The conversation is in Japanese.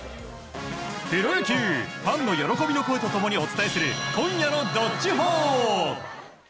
プロ野球、ファンの喜びの声と共にお伝えする今夜の「＃どっちほー」。